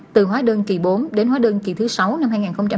từ hóa đơn kỳ bốn đến hóa đơn kỳ thứ sáu năm hai nghìn hai mươi